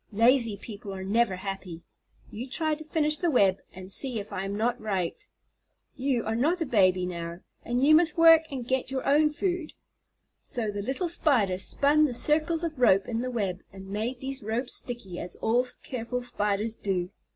Lazy people are never happy. You try to finish the web, and see if I am not right. You are not a baby now, and you must work and get your own food." So the little Spider spun the circles of rope in the web, and made these ropes sticky, as all careful spiders do.